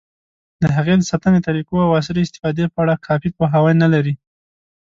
د هغې د ساتنې طریقو، او عصري استفادې په اړه کافي پوهاوی نه لري.